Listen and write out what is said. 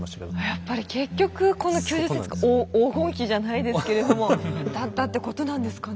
やっぱり結局この９０ｃｍが黄金比じゃないですけれどもだったってことなんですかね。